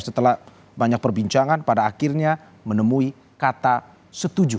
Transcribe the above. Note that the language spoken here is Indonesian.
setelah banyak perbincangan pada akhirnya menemui kata setuju